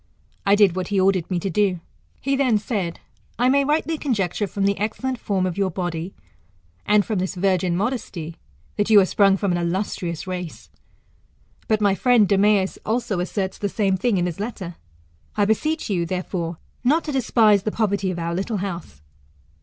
I did what he ordered me to do. He then said, I may rightly conjecture, from the excellent form of your body, and from this virgin modesty, that you are sprung from an illuslrious race. But my friend Demeas also asserts the same thing in his letter. I beseech you, therefore, not to despise the poverty of our little house.